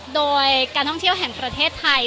โดยการท่องเที่ยวแห่งประเทศไทย